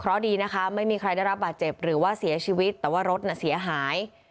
เพราะดีนะคะไม่มีใครได้รับบาดเจ็บหรือว่าเสียชีวิตแต่ว่ารถน่ะเสียหาย